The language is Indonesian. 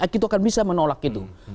kita akan bisa menolak itu